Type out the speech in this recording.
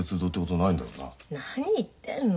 何言ってんの。